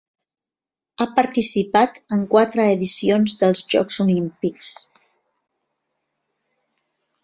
Ha participat en quatre edicions dels Jocs Olímpics.